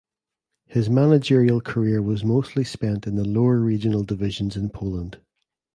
His managerial career was mostly spent in the lower regional divisions in Poland.